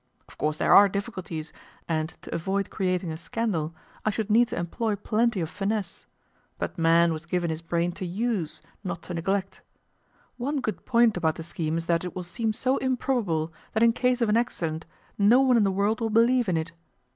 Of course there are difficulties, and, to avoid creating a scandal, I should need to employ plenty of finesse; but man was given his brain to USE, not to neglect. One good point about the scheme is that it will seem so improbable that in case of an accident, no one in the world will believe in it.